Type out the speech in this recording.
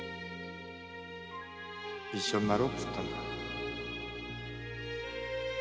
〔「一緒になろう」っつったんだ〕